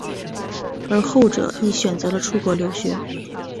而后者亦选择了出国留学。